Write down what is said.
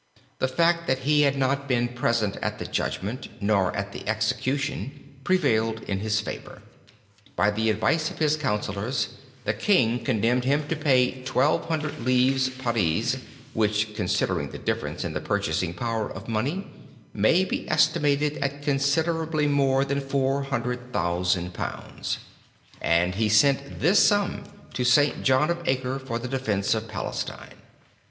The fact that he had not been present at the judgment, nor at the execution, prevailed in his favour. By the advice of his counsellors, the king condemned him to pay 1200 livres parisis, which, considering the difference in the purchasing power of money, may be estimated at considerably more than 400,000 pounds, and he sent this sum to St. John of Acre for the defense of Palestine.